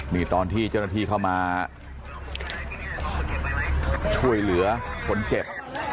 นี่ตอนที่เจ้าหน้าที่เข้ามาช่วยเหลือคนเจ็บ